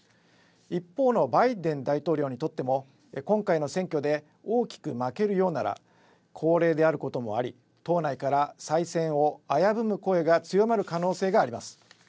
一方のバイデン大統領にとっても今回の選挙で大きく負けるようなら高齢であることもあり党内から再選を危ぶむ声が強まる可能性があります。